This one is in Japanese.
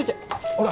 ほら。